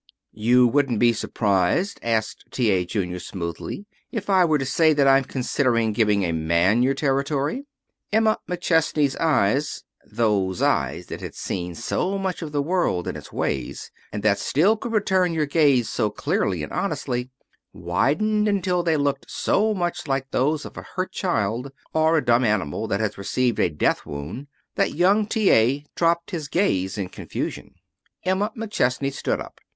"You wouldn't be surprised," asked T. A. Junior smoothly, "if I were to say that I'm considering giving a man your territory?" Emma McChesney's eyes those eyes that had seen so much of the world and its ways, and that still could return your gaze so clearly and honestly widened until they looked so much like those of a hurt child, or a dumb animal that has received a death wound, that young T. A. dropped his gaze in confusion. Emma McChesney stood up.